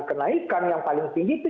kenaikan yang paling tinggi itu